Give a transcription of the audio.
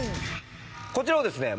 こちらをですね